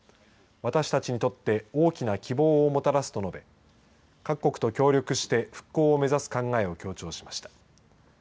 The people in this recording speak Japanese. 私たちにとって大きな希望をもたらすと述べ各国と協力して復興を目指す考えを強調しました。